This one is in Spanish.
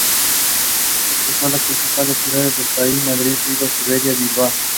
Expuso en las principales ciudades del país: Madrid, Vigo, Sevilla, Bilbao.